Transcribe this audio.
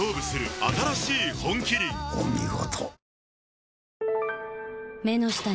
お見事。